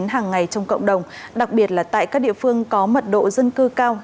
hàng ngày trong cộng đồng đặc biệt là tại các địa phương có mật độ dân cư cao